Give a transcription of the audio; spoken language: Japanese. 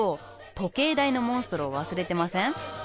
時計台のモンストロを忘れてません？